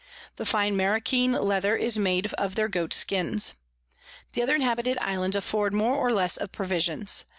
The fine Marroquin Leather is made of their Goats Skins. The other inhabited Islands afford more or less of Provisions.